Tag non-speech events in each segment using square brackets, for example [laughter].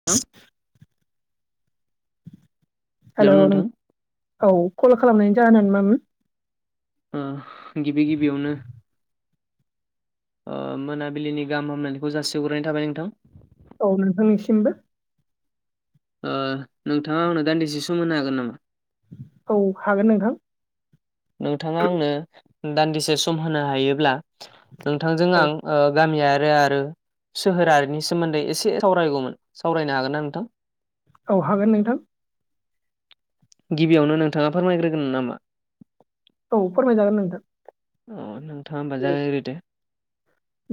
[unintelligible] Hello नों। औ कल खालामनायनि जाहोना मामोन? ओ गिबि गिबियावनो ओ मोनाबिलिनि गाहाम हामलायखौ जासिहरग्रोनाय थाबाय नोंथां औ नोंथांनिसिमबो नोंथाङा आंनो दान्दिसे सम होनो हागोन नामा? औ हागोन नोंथां नोंथाङा आंनो दान्दिसे सम होनो हायोब्ला नोंथांजों औ आं ओ गामि आरो आरो सोहोरारिनि सोमोन्दै एसे सावरायगौमोन। सावरायनो हागोन ना नोंथां औ हागोन नोंथां गिबियावनो नोंथाङा फोरमायग्रोगोन नामा औ फोरमायजागोन नोंथां अ नोंथाङा होमबा जागायग्रोदो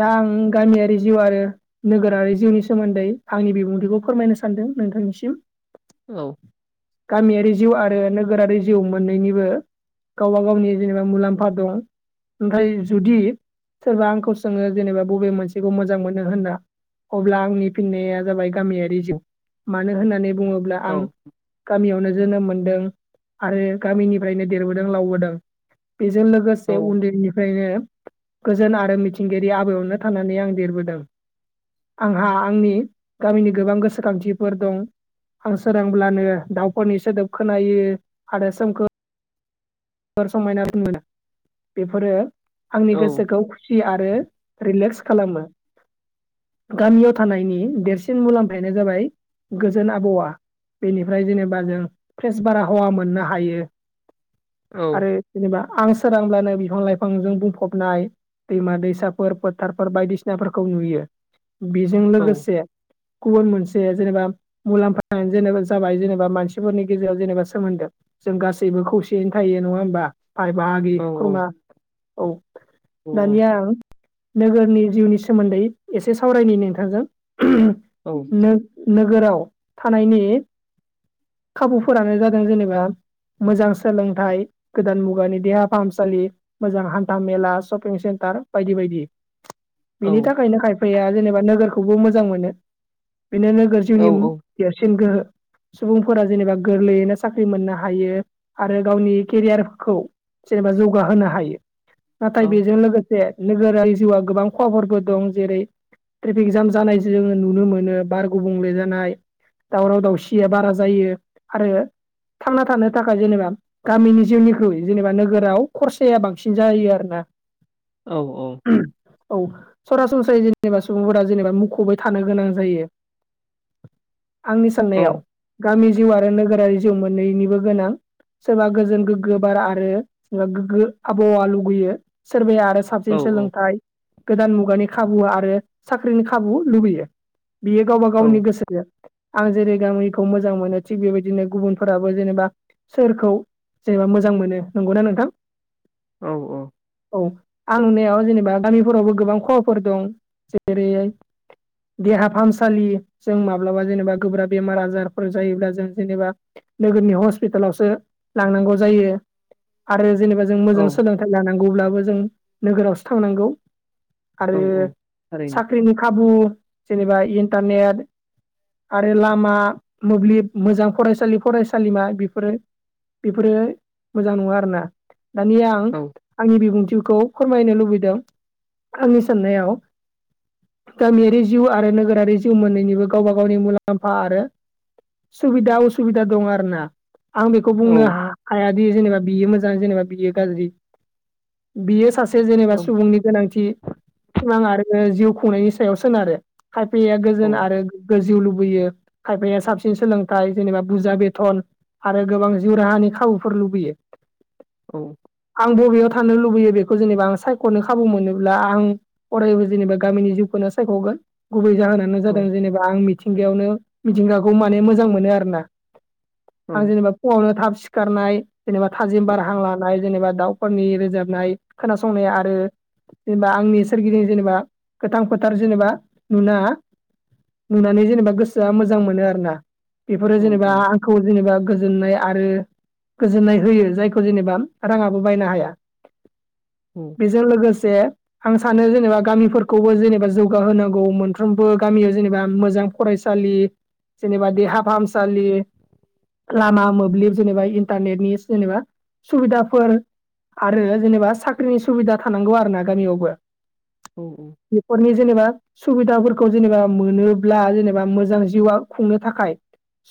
दा आं गामियारि जिउ आरो नोगोरारि जिउनि सोमोन्दै आंनि बिबुंथिखौ फोरमायनो सानदों नोंथांनिसिम औ गामियारि जिउ आरो नोगोरारि जिउ मोननैनिबो गावबा गावनि जेनेबा मुलाम्फा दं आमफ्राय जुदि सोरबा आंखौ सोङो जेनेबा बबे मोनसेखौ मोजां मोनो होनना अब्ला आंनि फिननाया जाबाय गामियारि जिउ। मानो होननानै बुङोब्ला आं औ गामियावनो जोनोम मोनदों आरो गामिनिफ्रायनो देरबोदों लावबोदों बेजों औ लोगोसे मासे उन्दैनिफ्रायनो गोजोन आरो मिथिंगायारि आबहावायावनो थानानै आं देरबोदों आंहा आंनि गामिनि गोबां गोसोखांथिफोर दं। आं सोरांब्लानो दाउफोरनि सोदोब खोनायो आरो सोमखोर समायना रमायना बेफोरो आंनि औ गोसोखौ फ्रि आरो रिलेक्स खालामो गामियाव थानायनि देरसिन मुलाम्फानो जाबाय गोजोन आबहावा बेनिफ्राय जेनेबा जों फ्रेस बारहावा मोननो हायो। आरो औ जेनेबा आं सोरांब्लानो बिफां लाइफांजों बुंफबनाय दैमा दैसाफोर फोथारफोर बायदिसिनाफोरखौ नुयो। बेजों औ लोगोसे गुबुन मोनसे जेनेबा मुलाम्फानो जेनबा जाबाय जेनेबा मानसिफोरनि गेजेराव जेनेबा सोमोन्दो जों गासैबो खौसेयैनो थायो नङा होमबा! बाय बाहागि औ खुरमा औ दानिया नोगोरनि जिउनि सोमोन्दै एसे सावरायनि नोंथांजों औ [unintelligible] नो नोगोराव थानायनि खाबुफोरानो जादों जेनेबा मोजां सोलोंथाइ गोदान मुगानि देहा फाहामसालि मोजां हान्था मेला, शपिं सेन्टार बायदि बायदि बेनि थाखायनो खायफाया जेनेबा नोगोरखौबो मोजां मोनो बेनो नोगोर जिउनि औ देरसिन गोहो सुबुंफोरा जेनेबा गोरलैयैनो साख्रि मोननो हायो आरो गावनि केरियारखौ जेनेबा जौगाहोनो हायो नाथाय बेजों लोगो से नोगोरारि जिउआ गोबां खहाफोरबो दं जेरै ट्रेफिक जाम जानाय जोङो नुनो मोनो बार गुबुंले जानाय दावराव दावसिया बारा जायो आरो थांना थानो थाखाय जेनेबा गामिनि जिउनिख्रुइ जेनेबा नोगोराव खरसाया बांसिन जायो आरोना‌। औ औ। औ सरासनस्रायै जेनेबा सुबुंफोरा जेनेबा मुखुबै थानो गोनां जायो। [inaudible] आंनि औ साननायाव गामि जिउ आरो नोगोरारि जिउ मोननैनिबो गोनां। सोरबा गोजोन गोग्गो बार आरो सोरबा गोग्गो आबहावा लुगैयो सोरबाया आरो औ साबसिन सोलोंथाइ गोदान मुगानि खाबु आरो साख्रिनि खाबु लुबैयो। बियो गावबा औ गावनि गोसोजों आं जेरै गामि मोजां मोनो थिग बेबायदिनो गुबुनफोराबो जेनेबा सोरखौ जेनेबा मोजां मोनो नंगौना नोंथां? औ औ। औ आं नुनायाव जेनेबा गामिफोरावबो गोबां खहाफोर दं जेरैयै देहा फाहामसालि जों माब्लाबा जेनेबा गोब्राब बेमार आजार फोर जायोब्ला जों जेनेबा नोगोरनि हस्पिटालावसो लांनांगौ जायो। आरो जेनेबा जों औ मोजां सोलोंथाइ लानांगौब्लाबो जों नोगोरावसो थांनांगौ। औ आरो औ थारैनो साख्रिनि खाबु जेनेबा इन्टारनेट आरो लामा मोब्लिब मोजां फरायसालि फरायसालिमा बेफोरो बेफोरो मोजां नङा आरोना दानिया आं औ आंनि बिबुंथिखौ फोरमायनो लुबैदों आंनि साननायाव गामियारि जिउ आरो नोगोरारि जिउ मोननैनिबो गावबा गावनि मुलाम्फा आरो सुबिदा उसुबिदा दं आरो ना आं बेखौ बुंनो हा हायादि जेनेबा बियो मोजां जेनेबा बियो गाज्रि। बियो सासे जेनेबा औ सुबुंनि गोनांथि। सिमां आरो जिउ खुंनायनि सायाव सोनारो खायफाया औ गोजोन आरो गोजौ लुबैयो खायफाया साबसिन सोलोंथाइ जेनेबा बुरजा बेथन आरो गोबां जिउ राहानि खाबुफोर लुबैयो। औ। आं बबेयाव थानो लुबैयो बेखौ जेनेबा आं सायख'नो खाबु मोनोब्ला आं अरायबो जेनेबा गामिनि जिउखौनो सायख'गोन गुबै जाहोना नो औ जादों जेनेबा आं मिथिंगायावनो मिथिंगाखौ माने मोजां मोनो आरोना। औ आं जेनेबा फुङावनो थाब सिखारनाय जेनेबा थाजिम बार हां लानाय जेनेबा दाउफोरनि रोजाबनाय खोनासंनाया आरो जेनेबा आंनि सोरगिदिं जेनेबा गोथां फोथार जेनेबा नुना नुनानै जेनेबा गोसोआ मोजां मोनो आरो ना बेफोरो जेनेबा औ आं खौ जेनेबा गोजोननाय आरो गोजोननाय होयो जायखौ जेनेबा राङाबो बायनो हाया। उम। बेजों लोगोसे आं सानो जेनेबा गामिफोरखौबो जेनेबा जौगाहोनांगौ मोनफ्रोमबो गामियाव जेनेबा मोजां फरायसालि जेनेबा देहा फाहामसालि लामा मोब्लिब जेनेबा इन्टारनेटनि जेनेबा सुबिदाफोर आरो जेनेबा साख्रिनि सुबिदा थानांगौ आरो ना गामियावबो‌ औ औ बेफोरनि जेनेबा सुबिदाफोरखौ जेनेबा मोनोब्ला जेनेबा मोजां जिउआव खुंनो थाखाय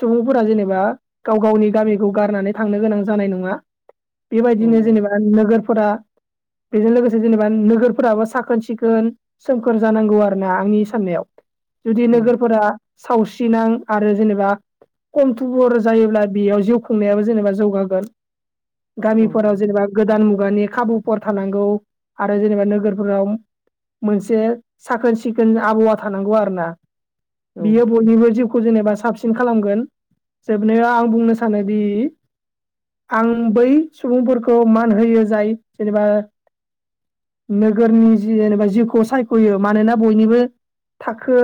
सुबुंफोरा जेनेबा गाव गावनि गामिखौ गारनानै थांनो गोनां जानाय नङा। बेबायदिनो जेनेबा नोगोरफोरा बेजों लोगोसे जेनेबा नोगोरफोराबो साखोन सिखोन सोमखोर जानांगौ आरो ना आंनि साननायाव। जुदि नोगोरफोरा साव थिनां आरो जेनेबा खम थुबुर जायोब्ला बेयाव जिउ खुंनायाबो जेनेबा जौगागोन। गामिफोराव जेनेबा गोदान मुगानि खाबुफोर थानांगौ आरो जेनेबा नोगोरफोराव मोनसे साखोन सिखोन आबहावा थानांगौ आरो ना। बियो बयनिबो जिउखौ जेनेबा साबसिन खालामगोन जोबनायाव आं बुंनो सानोदि आं बै सुबुंफोरखौ मान होयो जाय जेनेबा नोगोरनि जि जेनेबा जिउखौ सायख'यो मानोना बयनिबो थाखो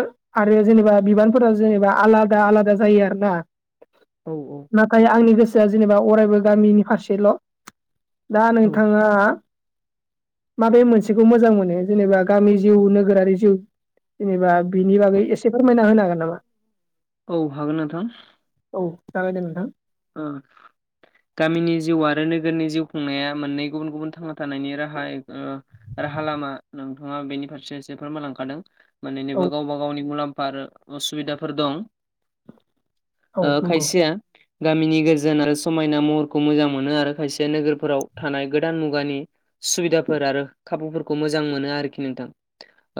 आरो जेनेबा बिबानफोरा जेनेबा आलादा आलादा जायो आरो ना। औ औ नाथाय आंनि गोसोआ जेनेबा अरायबो गामिनि फारसेल'। दा नोंथाङा माबे मोनसेखौ मोजां मोनो जेनेबा गामि जिउ नोगोरारि जिउ जेनेबा बिनि बागै एसे फोरमायना होनो हागोन नामा? औ हागोन नोंथां औ जागोन दे नोंथां ओ गामिनि जिउ आरो नोगोरनि जिउ खुंनाया मोननै गुबुन गुबुन थांना थानायनि राहा राहा लामा नोंथाङा बेनि फारसे एसे फोरमायलांखादों। मोन्नौनोबो गावबा गावनि मुलाम्फा उसुबिदाफोर दं। औ खायसेया गामिनि गोरजोन आरो समायना महरखौ मोजां मोनो आरो खायसे नोगोरफोराव थानाय गोदान मुगानि सुबिदाफोर आरो खाबुफोरखौ मोजां मोनो आरोखि नोंथां।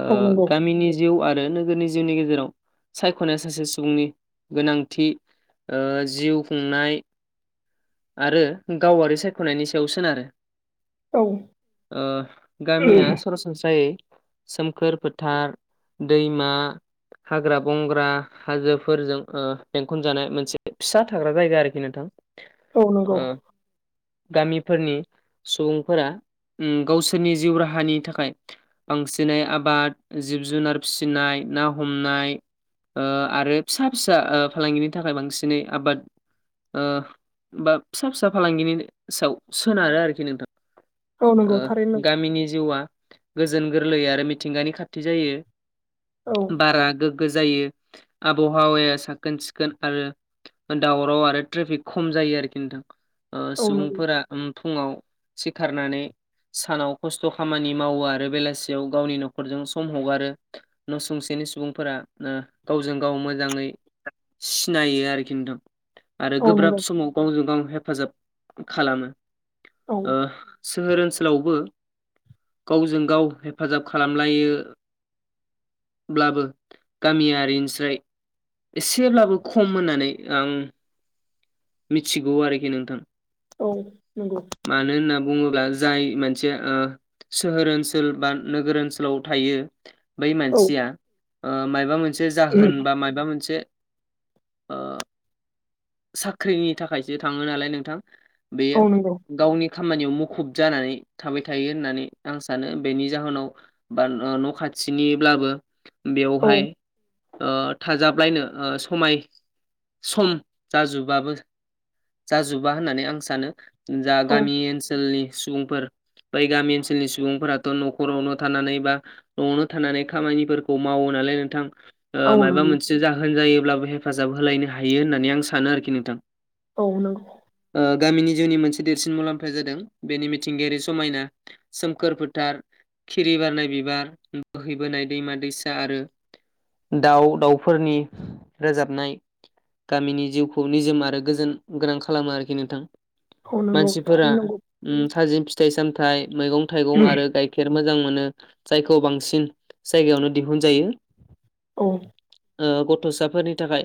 ओ औ नंगौ गामिनि जिउ आरो नोगोरनि जिउनि गेजेराव सायख'नाया सासे सुबुंनि गोनांथि औ जिउ खुंनाय आरो गावारि सायख'नायनि सायाव सोनारो‌ औ औ गामिया सरासनस्रायै सोमखोर फोथार, दैमा, हाग्रा बंग्रा हाजोफोरजों ओ बेंखनजानाय मोनसे फिसा थाग्रा जायगा आरोखि नोंथां। औ ओ नंगौ गामिफोरनि सुबुंफोरा गावसोरनि जिउ राहानि थाखाय बांसिननाय आबाद, जिब जुनार फिसिनाय, ना हमनाय ओ आरो फिसा फिसा ओ फालांगिनि थाखाय बांसिनै आबाद ओ बा फिसा फिसा फालांगिनि सायाव सोनारो आरोखि नोंथां। औ ओ नंगौ थारैनो गामिनि जिउआ गोजोन गोरलै आरो मिथिंगानि खाथि जायो। औ बारा गोग्गो जायो आबहावाया साखोन सिखोन आरो दावराव आरो ट्रेफिक खम जायो आरोखि नोंथां ओ नंगौ सुबुंफोरा [unintelligible] सिखारनानै सानाव खस्थ' खामानि मावो आरो बेलासियाव गावनि न'खरजों सम हगारो‌। न' सुंसेनि सुबुंफोरा ओ गावजों गाव मोजाङै सिनायो आरोखि नोंथां आरो औ गोब्राब नंगौ औ नंगौ समाव गावजों गाव हेफाजाब खालामो औ ओ सोहोर ओनसोलावबो गावजों गाव हेफाजाब खालामलायो। ब्लाबो गामियारिनिसाय एसेब्लाबो खम होननानै आं मिथिगौ आरोखि नोंथां। औ नंगौ। मानो होनना बुङोब्ला जाय मानसेया ओ सोहोर ओनसोल बा नोगोर ओनसोलाव थायो। बै औ मानसिया माबा मोनसे जाहोन बा माबा मोनसे खैनि थाखायसो थाङो नालाय नोंथां औ बेयो नंगौ गावनि खामानियाव मुखुब जानानै थाबाय थायो होननानै आं सानो बेनि जाहोनाव बा न' न' खाथिनिब्लाबो औ बेवहाय ओ थाजाबलायनो ओ समाय सम जाजोबाबो जाजोबा होननानै आं सानो जा औ गामि ओनसोलनि सुबुंफोर बै गामि ओनसोलनि सुबुंफोराथ' न'खरावनो थानानै बा न'आवनो थानानै खामानिफोरखौ मावो नालाय नोंथां। औ माबा नंगौ मोनसे जाहोन जायोब्लाबो हेफाजाब होलायनो हायो होननानै आं सानो आरोखि नोंथां। औ नोंगौ। ओ गामिनि जिउनि मोनसे देरसिन मुलाम्फाया जादों बेनि मिथिंगायारि समायना। सोमखोर फोथार खिरि बारनाय बिबार बोहैबोनाय दैमा दैसा आरो दाउ दाउफोरनि रोजाबनाय गामिनि जिउखौ निजोम आरो गोजोन गोनां खालामो आरोखि नोंथां औ नंगौ मानसिफोरा थारैनो नंगौ उम थाजिम फिथाइ सामथायाइ मैगं थाइगं आरो गाय गाइखेर मोजां मोनो जायखौ बांसिन जायगायावनो दिहुनजायो औ। ओ गथ'साफोरनि थाखाय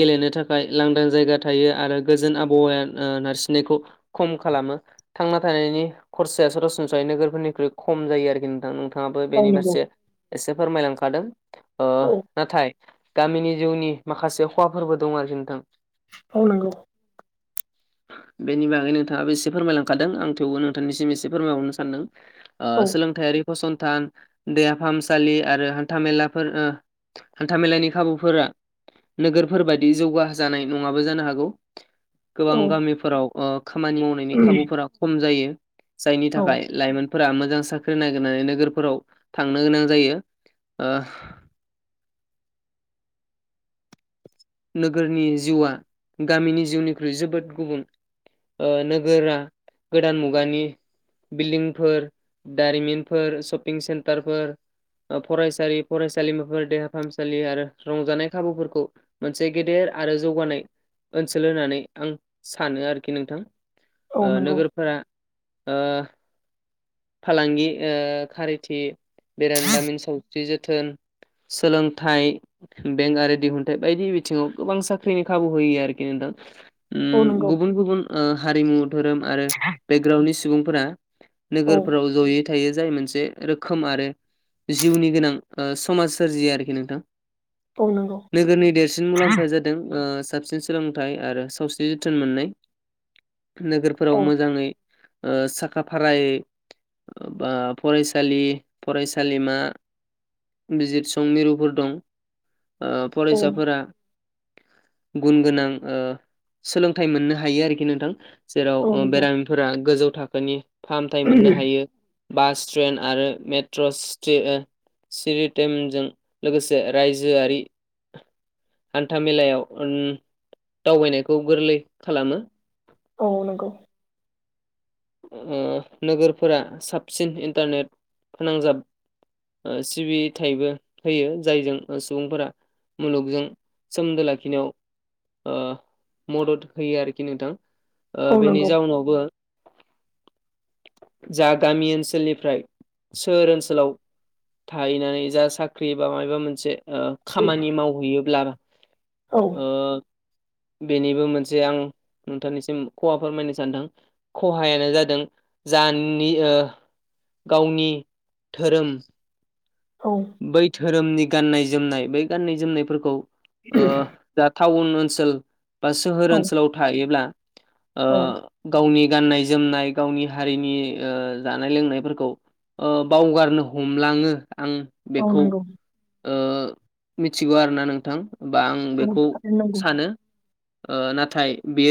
गेलेनो थाखाय लांदां जायगा थायो आरो गोजोन आबहावाया नारसिननायखौ खम खालामो। थांना थानायनि खरसाया सरासनस्रायै नोगोरफोरनिख्रुइ खम जायो आरोखि नोंथां। नोंथांङाबो औ बेनि नंगौ फारसे एसे फोरमायलांखादों। औ नाथाय गामिनि जिउनि माखासे खहाफोरबो दं आरोखि नोंथां। औ नंगौ। बेनि बागै नोंथाङाबो एसे फोरमायलांखादों आं थेवबो नोंथांनिसिम एसे फोरमायहरनो सानदों। ओ औ सोलोंथायारि फसंथान देहा फाहामसालि आरो हान्थामेलाफोर ओ हान्थामेलानि खाबुफोरा नोगोरफोर बायदि जौगा जानाय नङाबो जानो हागौ। औ गोबां गामिफोराव ओ खामानि मावनायनि खाबुफोरा खम जायो। जायनि औ थाखाय। लाइमोनफोरा मोजां साख्रि नागिरनानै नोगोरफोराव थांनो गोनां जायो। ओ नोगोरनि जिउआ गामिनि जिउनिख्रुइ जोबोद गुबुन ओ नोगोरा गोदान मुगानि बिल्डिंफोर दारिमिनफोर शपिं सेन्टारफोर ओ फरायसालि फरायसालिमाफोर देहा फाहामसालि आरो रंजानाय खाबुफोरखौ मोनसे गेदेर आरो जौगानाय ओनसोल होननानै आं सानो आरोखि नोंथां। औ नंगौ नोगोरफोरा ओ फालांगि ओ खारथि बेरानलाामिन सावस्रि जोथोन सोलोंथाइ बेंक आरि दिहुन्थाय बायदि बिथिङाव गोबां साख्रिनि खाबु होयो आरोखि नोंथां। उम औ नंगौ गुबुन गुबुन ओ हारिमु धोरोम आरो बेकग्राउणडनि सुबुंफोरा औ नोगोरफोराव जयै थायो जाय मोनसे रोखोम आरो जिउनि गोनां समाज सोरजिया आरोखि नोंथां। औ नंगौ। नोगोरनि देरसिन मुलाम्फाया जादों ओ साबसिन सोलोंथाइ आरो सावस्रि जोथोन मोन्नाय। नोगोरफोराव औ मोजांङै ओ साखा फारायै बा फरायसालि फरायसालिमा बिजिर सं मिरुफोर दं ओ औ फरायसाफोरा गुन गोनां ओ सोलोंथाइ मोननो हायो आरोखि नोंथां‌। औ जेराव नंगौ बेरामिफोरा गोजौ थाखोनि फाहामथाय मोननो हायो। बास ट्रेन आरो मेट्र स्ट सिरिटेमजों लोगोसे रायजोआरि हान्था मेलायाव उम दावबायनायखौ गोरलै खालामो। औ नंगौ। ओ नोगोरफोरा साबसिन इन्टारनेट फोनांजाब ओ सिबिथायबो होयो जायजों सुबुंफोरा मुलुगजों सोमोनदो लाखिनायाव ओ मदद होयो आरोखि नोंथां ओ औ बेनि नंगौ जाउनावबो जा गामि ओनसोलनिफ्राय सोहोर ओनसोलाव थाहैनानै जा साख्रि बा माबाबा मोनसे ओ खामानि मावहैयोब्ला औ। ओ औ बेनिबो मोनसे आं नोंथांनिसिम खहा फोरमायनो सानदों। खहायानो जादों जानि ओ गावनि धोरोम औ। बै धोरोमनि गाननाय जोमनाय बै गाननाय जोमनायफोरखौ ओ जा टाउन ओनसोल बा सोहोर ओनसोलाव थायोब्ला ओ औ गावनि गाननाय जोमनाय गावनि हारिनि ओ जानाय लोंनायफोरखौ ओ बावगारनो होलांङो आं औ बेखौ नंगौ ओ मिथिगौ आरोना नोंथां। बा आं औ बेखौ थारैनो नंगौ सानो ओ नाथाय बेयो